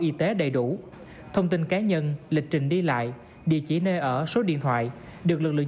y tế đầy đủ thông tin cá nhân lịch trình đi lại địa chỉ nơi ở số điện thoại được lực